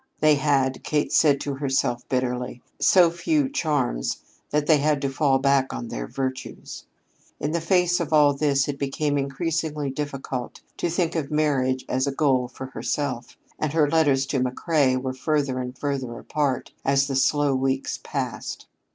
They had, Kate said to herself bitterly, so few charms that they had to fall back on their virtues. In the face of all this it became increasingly difficult to think of marriage as a goal for herself, and her letters to McCrea were further and further apart as the slow weeks passed.